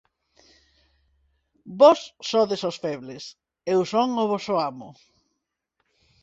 Vós sodes os febles. Eu son o voso amo.